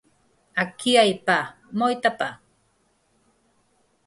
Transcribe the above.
Aquí hai pa, moita pa.